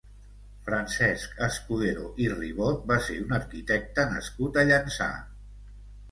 Francesc Escudero i Ribot va ser un arquitecte nascut a Llançà.